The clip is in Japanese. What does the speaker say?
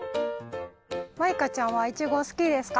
マイカちゃんはイチゴすきですか？